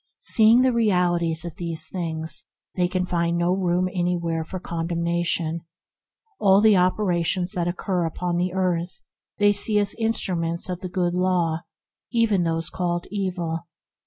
Seeing the realities of things, they can find no room anywhere for con demnation. All the operations that obtain upon the earth they see as instruments of AT REST IN THE KINGDOM 75 the Good Law, even those called evil.